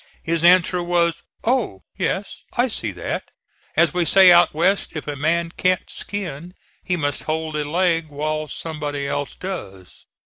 His answer was: "Oh, yes! I see that. As we say out West, if a man can't skin he must hold a leg while somebody else does."